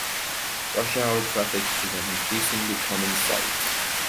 Rush hour traffic is an increasingly common sight.